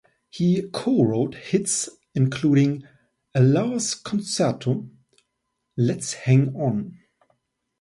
He co-wrote hits including "A Lover's Concerto", "Let's Hang On!